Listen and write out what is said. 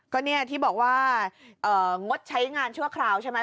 ก็เนี่ยที่บอกว่างดใช้งานชั่วคราวใช่ไหม